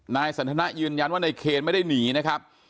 นายสันทนายืนยันว่านายเคนไม่ได้หนีนะครับ